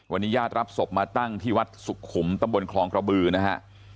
วันนี้ญาติรับศพมาตั้งที่วัดสุขุมตำบลคลองกระบือนะฮะ